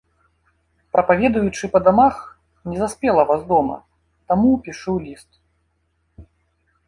Прапаведуючы па дамах, не заспела вас дома, таму пішу ліст.